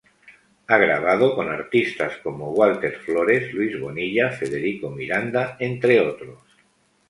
Ha grabado con artistas como: Walter Flores, Luis Bonilla, Federico Miranda, entre otros.